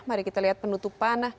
mari kita lihat penutupan